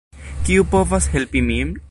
Kiu povas helpi min?